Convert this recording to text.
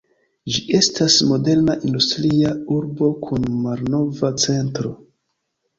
Ĝi estas moderna industria urbo kun malnova centro.